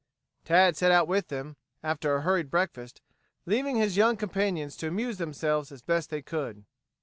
Tad set out with them, after a hurried breakfast, leaving his young companions to amuse themselves as best they could.